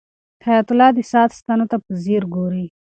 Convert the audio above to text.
حیات الله د ساعت ستنو ته په ځیر ګوري.